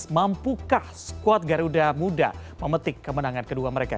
mampukah skuad garuda muda memetik kemenangan kedua mereka